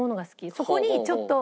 そこにちょっと。